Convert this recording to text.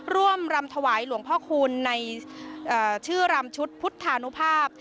รำถวายหลวงพ่อคูณในชื่อรำชุดพุทธานุภาพ